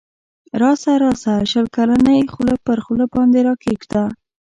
راسه راسه شل کلنی خوله پر خوله باندی را کښېږده